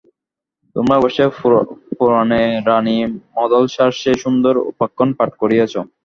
তোমরা অবশ্যই পুরাণে রানী মদালসার সেই সুন্দর উপাখ্যান পাঠ করিয়াছ।